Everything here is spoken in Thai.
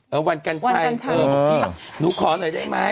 เออวันกันใช่วันกันใช่เออนี่ค่ะหนูขอหน่อยได้ไหม